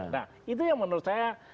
nah itu yang menurut saya